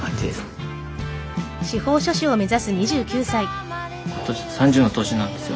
今は今年３０の年なんですよ。